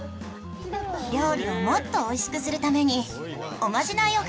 料理をもっと美味しくするためにおまじないをかけます。